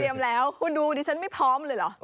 แล้วคุณดูดิฉันไม่พร้อมเลยเหรอ